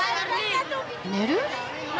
寝る？